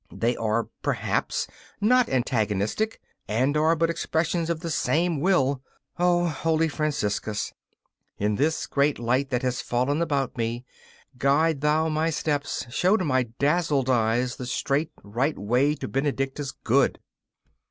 They are, perhaps, not antagonistic, and are but expressions of the same will. O holy Franciscus, in this great light that has fallen about me, guide thou my steps. Show to my dazzled eyes the straight, right way to Benedicta's good!